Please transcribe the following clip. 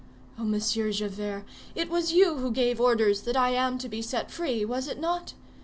O Monsieur Javert! it was you who gave orders that I am to be set free, was it not?